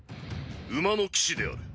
馬の騎士である。